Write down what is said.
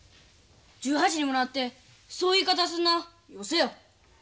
１８にもなってそういう言い方するのよせよ。